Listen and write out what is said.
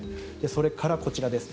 それからこちらです。